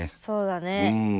そうだね。